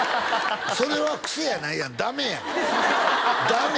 それはクセやないやんダメやんダメ！